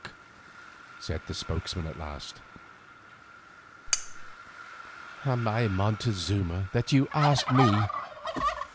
said their spokesman at last. "Am I Montezuma, that you ask me?